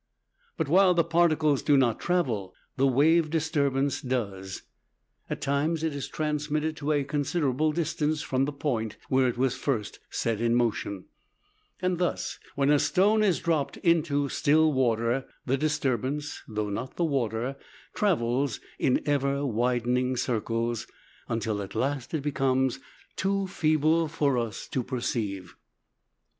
But while the particles do not travel, the wave disturbance does. At times it is transmitted to a considerable distance from the point where it was first set in motion. Thus, when a stone is dropped into still water, the disturbance (though not the water) travels in ever widening circles, until at last it becomes too feeble for us to perceive.